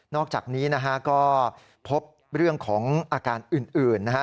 อกจากนี้นะฮะก็พบเรื่องของอาการอื่นนะฮะ